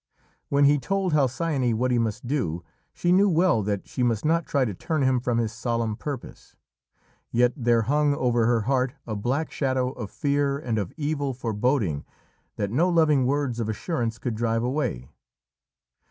When he told Halcyone what he must do, she knew well that she must not try to turn him from his solemn purpose, yet there hung over her heart a black shadow of fear and of evil foreboding that no loving words of assurance could drive away.